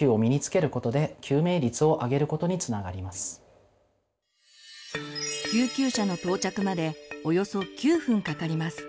いずれも救急車の到着までおよそ９分かかります。